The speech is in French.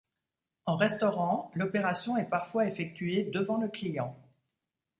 En restaurant, l'opération est parfois effectuée devant le client.